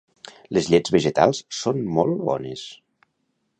Les llets vegetals són molt bones